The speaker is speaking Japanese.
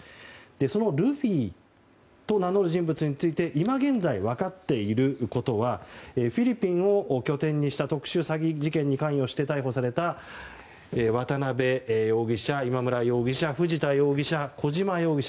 そのルフィと名乗る人物について今現在分かっていることはフィリピンを拠点にした特殊詐欺事件に関与して逮捕された渡邉容疑者、今村容疑者藤田容疑者、小島容疑者